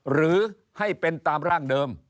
หรือให้เป็นตามร่างเดิม